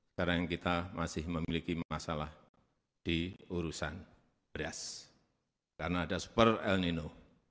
sekarang kita masih memiliki masalah di urusan berias karena ada super el nino